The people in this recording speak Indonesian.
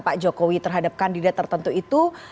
pak jokowi terhadap kandidat tertentu itu